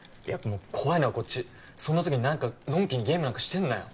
もう怖いのはこっちそんな時に何かのんきにゲームなんかしてんなよ